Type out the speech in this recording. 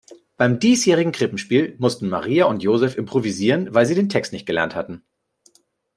Beim diesjährigen Krippenspiel mussten Maria und Joseph improvisieren, weil sie den Text nicht gelernt hatten.